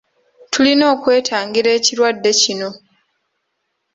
Tulina okwetangira ekirwadde kino.